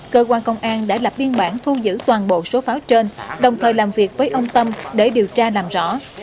cơ quan công an đã lập biên bản thu giữ toàn bộ số pháo trên đồng thời làm việc với ông tâm để điều tra làm rõ